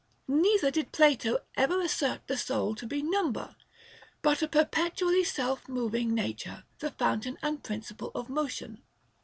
Neither did Plato ever assert the soul to be number, but a perpetually self moving nature, the fountain and principle of motion.